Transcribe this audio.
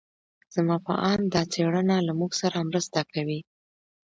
زما په اند دا څېړنه له موږ سره مرسته کوي.